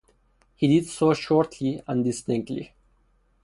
He did so shortly and distinctly.